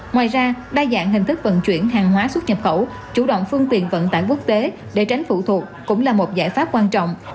ngoài ra đa dạng hình thức vận chuyển hàng hóa xuất nhập khẩu chủ động phương tiện vận tải quốc tế để tránh phụ thuộc cũng là một giải pháp quan trọng